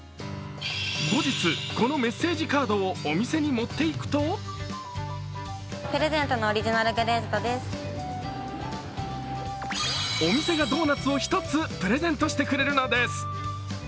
後日、このメッセージカードをお店に持って行くとお店がドーナツを１つプレゼントしてくれるのです。